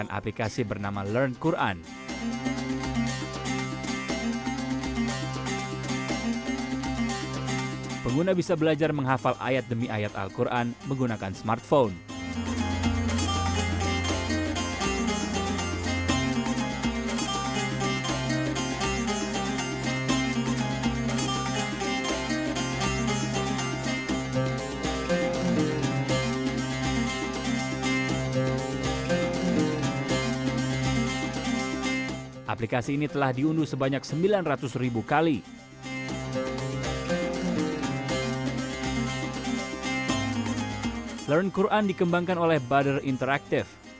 ya ini sebuah perusahaan teknologi asal depok jawa barat